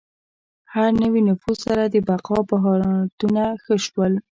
هر نوي نفوذ سره د بقا مهارتونه ښه شول.